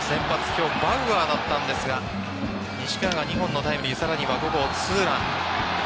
今日、バウワーだったんですが西川が２本のタイムリー５号２ラン。